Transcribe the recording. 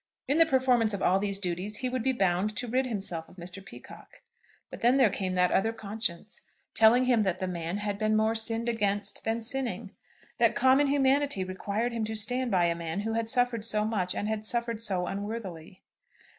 In the performance of all these duties he would be bound to rid himself of Mr. Peacocke. But then there came that other conscience, telling him that the man had been more "sinned against than sinning," that common humanity required him to stand by a man who had suffered so much, and had suffered so unworthily.